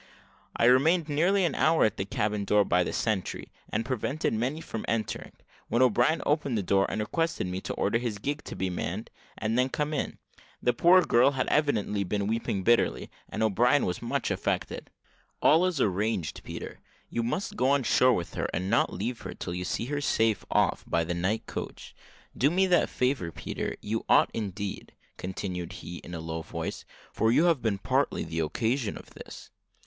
I remained nearly an hour at the cabin door, by the sentry, and prevented many from entering, when O'Brien opened the door, and requested me to order his gig to be manned, and then to come in. The poor girl had evidently been weeping bitterly, and O'Brien was much affected. "All is arranged, Peter; you must go on shore with her, and not leave her till you see her safe off by the night coach. Do me that favour, Peter you ought indeed," continued he, in a low voice, "for you have been partly the occasion of this."